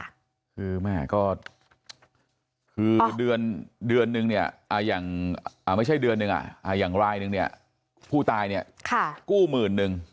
คือแม่ก็คือเดือนนึงเนี่ยอย่างไม่ใช่เดือนหนึ่งอย่างรายหนึ่งเนี่ยผู้ตายเนี่ยกู้หมื่นนึง